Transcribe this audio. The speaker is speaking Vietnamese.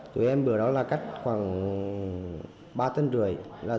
tụi em bữa đó là cách khoảng ba tên rưỡi